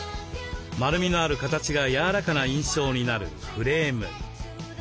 丸みのある形が柔らかな印象になるフレーム。